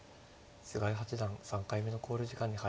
菅井八段３回目の考慮時間に入りました。